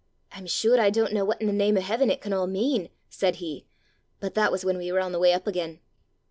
'I'm sure I don't know what in the name o' heaven it can all mean!' said he but that was when we were on the way up again.